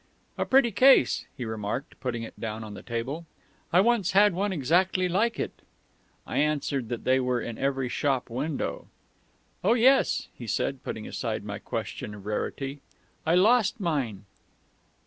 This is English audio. "A pretty case," he remarked, putting it down on the table. "I once had one exactly like it." I answered that they were in every shop window. "Oh yes," he said, putting aside any question of rarity.... "I lost mine."